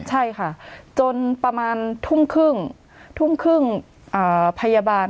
ใช่ค่ะจนประมาณทุ่มครึ่งทุ่มครึ่งพยาบาล